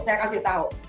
saya kasih tau